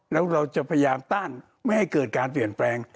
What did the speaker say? แล้วเราจะพยายามต้านไม่ให้เกิดการเปลี่ยนแปลง